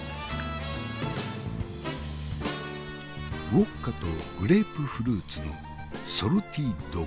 ウォッカとグレープフルーツのソルティドッグ。